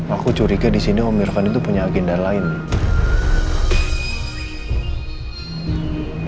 aku curiga di sini om irfan itu punya agenda lain nih